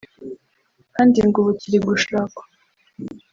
kandi ngo ubu kiri gushakwa